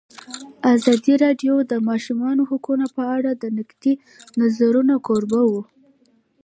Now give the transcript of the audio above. ازادي راډیو د د ماشومانو حقونه په اړه د نقدي نظرونو کوربه وه.